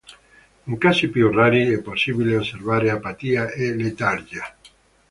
In casi più rari è possibile osservare apatia e letargia.